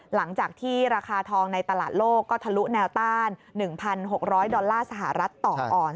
หลังจากที่ราคาทองในตลาดโลกก็ทะลุแนวต้าน๑๖๐๐ดอลลาร์สหรัฐต่ออ่อน